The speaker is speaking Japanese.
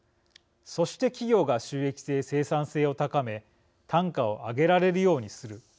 そして企業が収益性、生産性を高め単価を上げられるようにする。